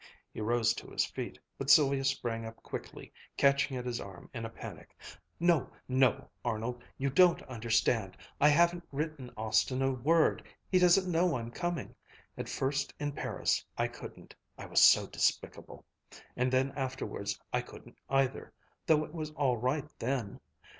He rose to his feet, but Sylvia sprang up quickly, catching at his arm in a panic. "No! no! Arnold, you don't understand. I haven't written Austin a word he doesn't know I'm coming. At first in Paris I couldn't I was so despicable and then afterwards I couldn't either, though it was all right then.